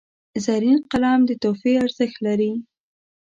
زرین قلم د تحفې ارزښت لري.